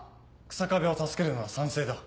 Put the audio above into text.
日下部を助けるのは賛成だ。